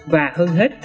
và hơn hết